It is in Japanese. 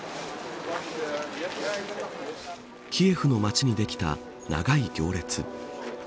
キエフの街にできた長い行列。